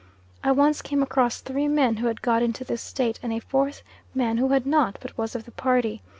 I once came across three men who had got into this state and a fourth man who had not, but was of the party.